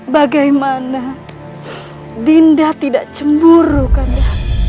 bagaimana dinda tidak cemburu kanda